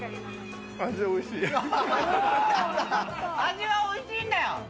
味はおいしいんだよ！